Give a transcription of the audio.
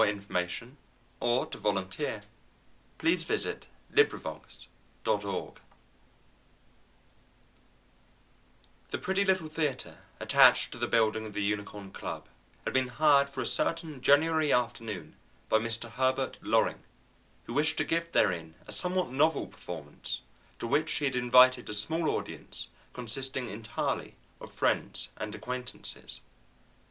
TOLMAN MY UNWILLING NEIGHBOR OUR ARCHERY CLUB THE MAGIC EGG The pretty little theatre attached to the building of the Unicorn Club had been hired for a certain January afternoon by Mr. Herbert Loring, who wished to give therein a somewhat novel performance, to which he had invited a small audience consisting entirely of friends and acquaintances.